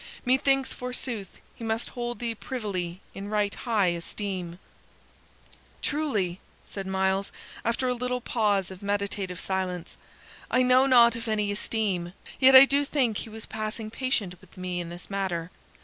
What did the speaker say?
Methinks, forsooth, he must hold thee privily in right high esteem." "Truly," said Myles, after a little pause of meditative silence, "I know not of any esteem, yet I do think he was passing patient with me in this matter.